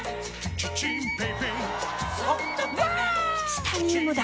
チタニウムだ！